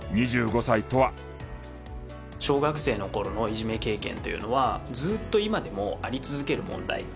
小学生の頃のいじめ経験というのはずっと今でもあり続ける問題。